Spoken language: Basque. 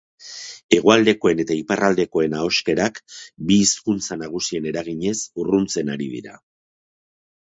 Hegoaldekoen eta iparraldekoen ahoskerak, bi hizkuntza nagusien eraginez, urruntzen ari dira.